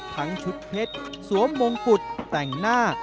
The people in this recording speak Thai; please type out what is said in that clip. ทั้งชุดเพชรสวมมงกุฎแต่งหน้า